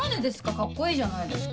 カッコいいじゃないですか。